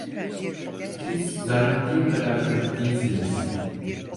Siz zannettiğim kadar çocuk değilsiniz!